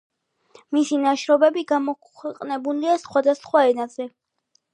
მისი ნაშრომები გამოქვეყნებულია სხვადასხვა ენებზე.